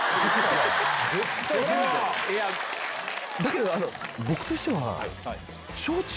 だけど僕としては。